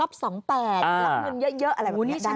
รับเงินเยอะอะไรแบบนี้